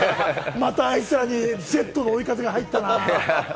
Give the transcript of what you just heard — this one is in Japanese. また、あいつらにＺの追い風が入ったな。